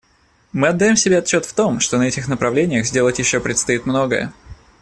Мы отдаем себе отчет в том, что на этих направлениях сделать еще предстоит многое.